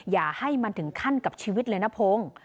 อย่าให้มันถึงขั้นกับชีวิตเลยนะพงศ์